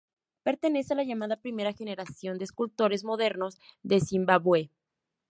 Pertenece a la llamada primera generación de escultores modernos de Zimbabue.